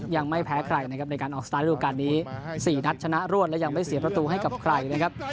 ยังไม่แพ้ใครนะครับในการออกสตาร์ทฤดูการนี้๔นัดชนะรวดและยังไม่เสียประตูให้กับใครนะครับ